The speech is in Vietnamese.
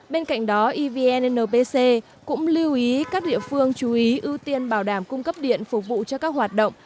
bên cạnh đó evnpc cũng lưu ý các địa phương chú ý ưu tiên bảo đảm cung cấp điện phục vụ cho các hoạt động